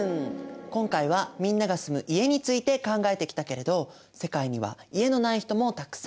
今回はみんなが住む家について考えてきたけれど世界には家のない人もたくさんいます。